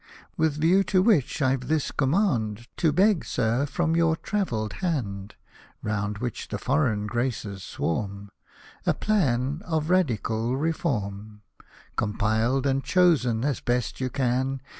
With view to which, I've his command To beg, Sir, from your travelled hand, (Round which the foreign graces swarm) A Plan of radical Reform ; Compiled and chosen as best you can.